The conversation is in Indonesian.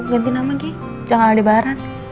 ganti nama gih jangan aldebaran